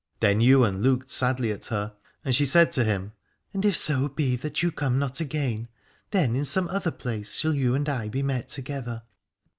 Then Ywain looked sadly at her, and she said to him : And if so be that you come not again, then in some other place shall you and I be met together.